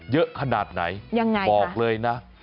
เยอะขนาดไหนบอกเลยนะ